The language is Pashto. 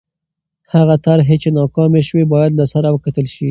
هغه طرحې چې ناکامې سوې باید له سره وکتل سي.